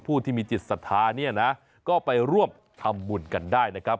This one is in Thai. ผู้ที่มีจิตศรัทธาเนี่ยนะก็ไปร่วมทำบุญกันได้นะครับ